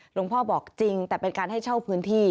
พ่อบอกจริงแต่เป็นการให้เช่าพื้นที่